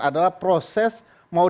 adalah proses mau